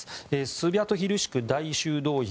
スビャトヒルシク大修道院。